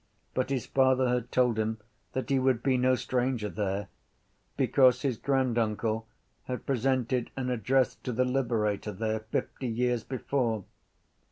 But his father had told him that he would be no stranger there because his granduncle had presented an address to the Liberator there fifty years before.